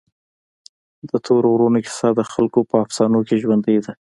د تورې غرونو کیسه د خلکو په افسانو کې ژوندۍ ده.